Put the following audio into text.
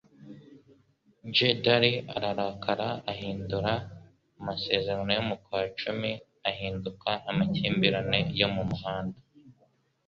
J Daley ararakara ahindura amasezerano yo mu kwa cumi ahinduka amakimbirane yo mu muhanda